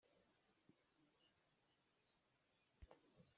Na it cang lai maw?